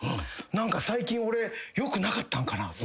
何か最近俺よくなかったんかな？